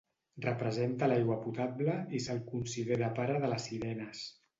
Representa l'aigua potable i se'l considera pare de les sirenes.